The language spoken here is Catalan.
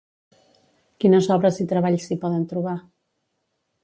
Quines obres i treballs s'hi poden trobar?